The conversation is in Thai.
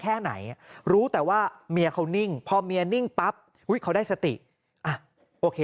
แค่ไหนรู้แต่ว่าเมียเขานิ่งพอเมียนิ่งปั๊บเขาได้สติอ่ะโอเค